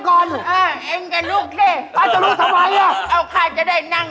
ทองเราไหน